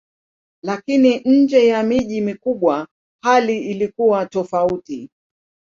Lakini nje ya miji mikubwa hali ilikuwa tofauti.